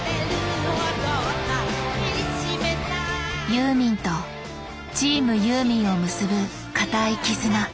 ユーミンとチームユーミンを結ぶ固い絆。